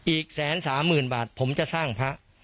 อีกแสนสามหมื่นบาทผมจะสร้างพระ